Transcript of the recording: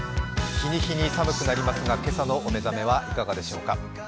日に日に寒くなりますが、今朝のお目覚めはいかがでしょうか？